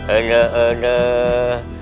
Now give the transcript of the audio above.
aduh aduh aduh